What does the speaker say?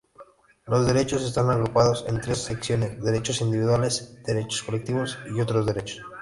Los derechos están agrupados en tres secciones: derechos individuales, derechos colectivos y otros derechos.